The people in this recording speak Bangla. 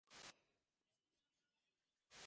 তোমারই তো জিত হয়েছে।